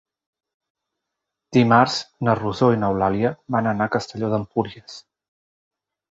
Dimarts na Rosó i n'Eulàlia van a Castelló d'Empúries.